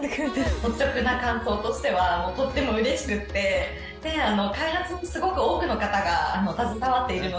率直な感想としては、とっても嬉しくって、開発にすごく多くの方が携わっているので。